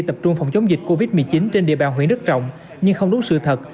tập trung phòng chống dịch covid một mươi chín trên địa bàn huyện đức trọng nhưng không đúng sự thật